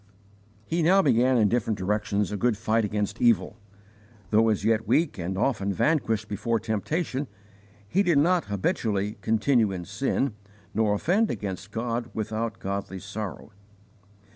He now began in different directions a good fight against evil. Though as yet weak and often vanquished before temptation, he did not habitually 'continue in sin,' nor offend against God without godly sorrow.